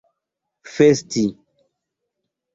festi